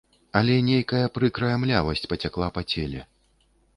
Але нейкая прыкрая млявасць пацякла па целе.